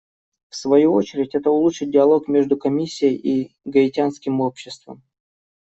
В свою очередь, это улучшит диалог между Комиссией и гаитянским обществом.